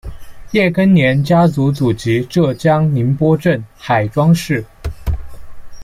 叶庚年家族祖籍浙江宁波镇海庄市。